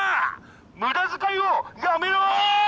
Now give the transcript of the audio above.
無駄遣いをやめろー！